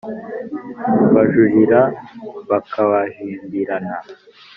bajurira bakabajindirana